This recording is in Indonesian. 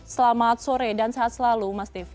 selamat sore dan sehat selalu mas devi